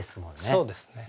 そうですね。